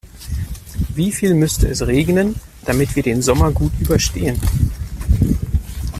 Wieviel müsste es regnen, damit wir den Sommer gut überstehen?